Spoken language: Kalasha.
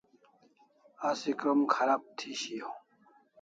Asi krom kharab thi shiau